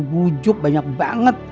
bujuk banyak banget